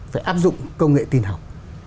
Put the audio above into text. phải áp dụng công nghệ tin học